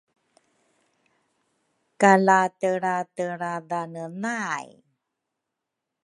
kala telratelradhane nay